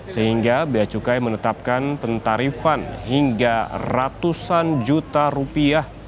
sehingga bea cukai menetapkan pentarifan hingga ratusan juta rupiah